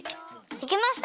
できました！